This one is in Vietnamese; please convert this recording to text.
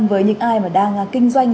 với những ai đang kinh doanh